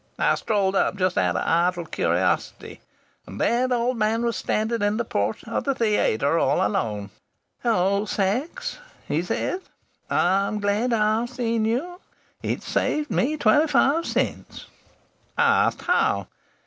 I strolled up, just out of idle curiosity, and there the old man was standing in the porch of the theatre, all alone! 'Hullo, Sachs,' he said, 'I'm glad I've seen you. It's saved me twenty five cents.' I asked how.